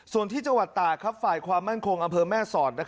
ส่วนที่จังหวัดตากฝ่ายความมั่นคงอำเภอแม่สอด